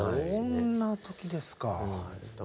そんな時ですか。